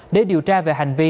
để điều tra về hành vi